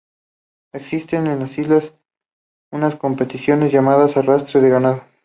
Existe en las islas unas competiciones llamadas "Arrastre de Ganado".